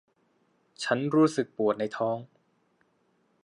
ฉันรู้สึกปวดในท้อง